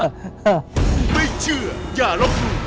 กูไม่เชื่ออย่ารบกู